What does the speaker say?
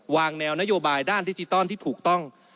แนวนโยบายด้านดิจิตอลที่ถูกต้อง